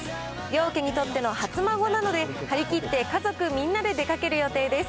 両家にとっての初孫なので、張り切って家族みんなで出かける予定です。